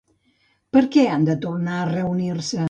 Per què han de tornar a reunir-se?